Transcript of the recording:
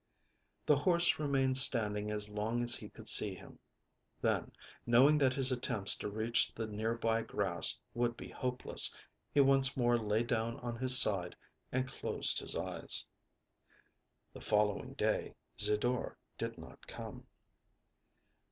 The horse remained standing as long as he could see him; then, knowing that his attempts to reach the near by grass would be hopeless, he once more lay down on his side and closed his eyes. The following day Zidore did not come.